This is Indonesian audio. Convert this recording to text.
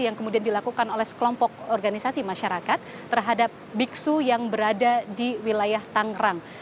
yang kemudian dilakukan oleh sekelompok organisasi masyarakat terhadap biksu yang berada di wilayah tangerang